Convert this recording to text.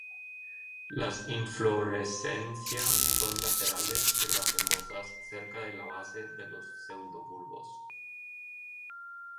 Las inflorescencia son laterales y racemosas cerca de la base de los pseudobulbos.